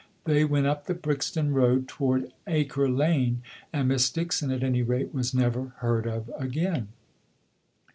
They went up the Brixton Road toward Acre Lane, and Miss Dixon, at any rate, was never heard of again.